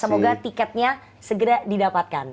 semoga tiketnya segera didapatkan